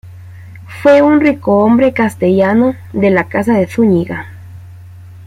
Fue un ricohombre castellano de la Casa de Zúñiga.